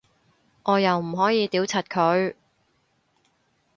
我又唔可以屌柒佢